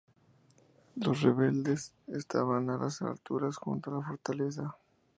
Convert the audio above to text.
Los rebeldes estaban en la alturas junto a la fortaleza.